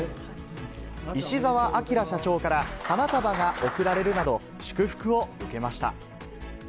石澤顕社長から花束が贈られるなど、祝福を受けました。